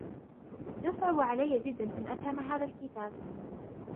يصعب عليّ جدا أن أفهم هذا الكتاب.